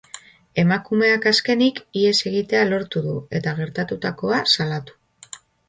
Emakumeak, azkenik, ihes egitea lortu du eta gertatutakoa salatu.